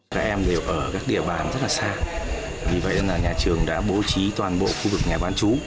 các em đều ở các địa bàn rất là xa vì vậy nên là nhà trường đã bố trí toàn bộ khu vực nhà bán chú